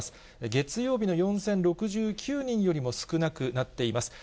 月曜日の４０６９人よりも少なくなっています。